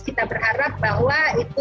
kita berharap bahwa itu tidak terburuk